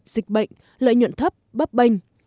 dịch bệnh lợi nhuận thấp bắp bênh